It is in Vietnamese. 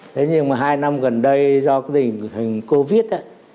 thế nhưng mà hai năm gần đây do cái hình covid á